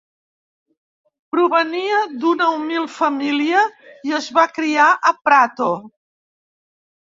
Provenia d'una humil família i es va criar a Prato.